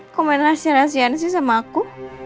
kok main rahasia rahasian sih sama aku